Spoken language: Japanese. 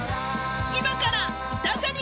［今から『イタ×ジャニ』